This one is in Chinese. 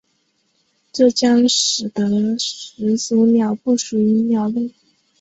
这将使得始祖鸟不属于鸟类。